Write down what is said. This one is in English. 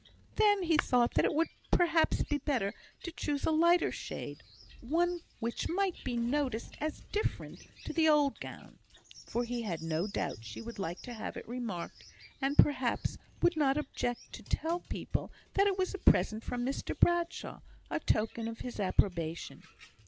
Then he thought that it would, perhaps, be better to choose a lighter shade, one which might be noticed as different to the old gown. For he had no doubt she would like to have it remarked, and, perhaps, would not object to tell people, that it was a present from Mr Bradshaw a token of his approbation.